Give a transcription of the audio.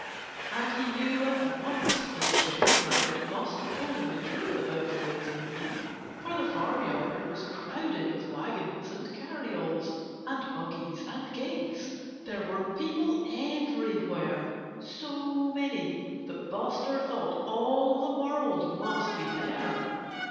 And he knew at once that Jimmy Rabbit must have told him the truth about the raising bee, for the farmyard was crowded with wagons and carryalls and buggies and gigs. There were people everywhere so many that Buster thought all the world must be there.